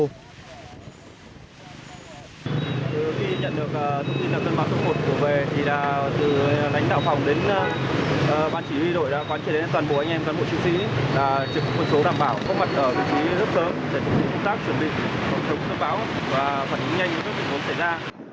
từ khi nhận được thông tin là phân báo số một của về thì là từ lãnh đạo phòng đến quan chỉ huy đội quan chỉ huy đến toàn bộ anh em toàn bộ chiến sĩ là trực phân số đảm bảo có mặt ở vị trí rất sớm để tục tương tác chuẩn bị phòng thống thông báo và phản hứng nhanh cho các tình huống xảy ra